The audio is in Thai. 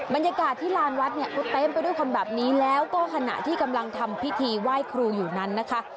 บรรยากาศที่ลานวัดเนี่ยก็เต็มไปด้วยคนแบบนี้แล้วก็ขณะที่กำลังทำพิธีไหว้ครูอยู่นั้นนะคะ